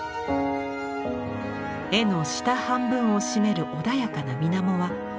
絵の下半分を占める穏やかな水面は鏡のようです。